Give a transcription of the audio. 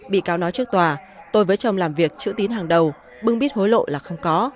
bị cáo nói trước tòa tôi với chồng làm việc chữ tín hàng đầu bưng bít hối lộ là không có